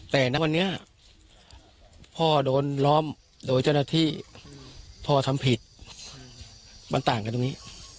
แต่ณวันนี้พ่อโดนล้อมโดยเจ้าหน้าที่พ่อทำผิดมันต่างกันตรงนี้